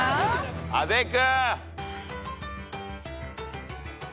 阿部君。